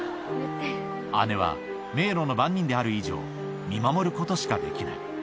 姉は迷路の番人である以上、見守ることしかできない。